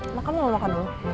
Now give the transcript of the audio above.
emang kamu mau makan dulu